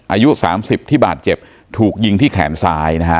อายุ๓๐ที่บาดเจ็บถูกยิงที่แขมทรายนะฮะ